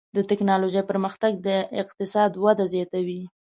د ټکنالوجۍ پرمختګ د اقتصاد وده زیاتوي.